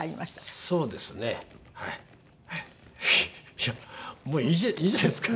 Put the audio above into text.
いやもういいじゃないですか。